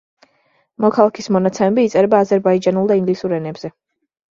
მოქალაქის მონაცემები იწერება აზერბაიჯანულ და ინგლისურ ენებზე.